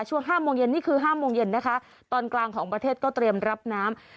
ช่วง๕โมงเย็นนี่คือ๕โมงเย็นนะคะตอนกลางของประเทศก็เตรียมรับน้ำ